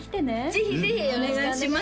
ぜひぜひよろしくお願いします